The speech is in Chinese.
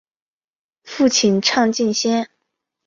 父亲畅敬先。